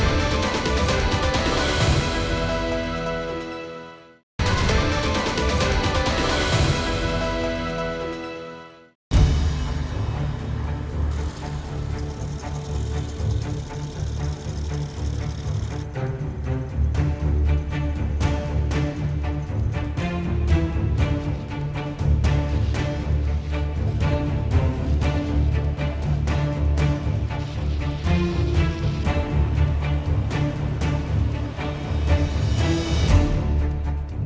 ada orang mental regi